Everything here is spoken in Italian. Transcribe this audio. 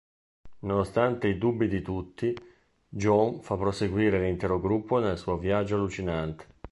Nonostante i dubbi di tutti, J'onn fa proseguire l'intero gruppo nel suo viaggio allucinante.